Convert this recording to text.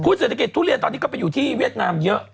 เศรษฐกิจทุเรียนตอนนี้ก็ไปอยู่ที่เวียดนามเยอะ